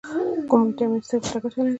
کوم ویټامین سترګو ته ګټه لري؟